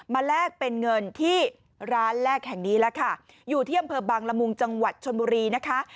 แลกเป็นเงินที่ร้านแรกแห่งนี้แล้วค่ะอยู่ที่อำเภอบังละมุงจังหวัดชนบุรีนะคะ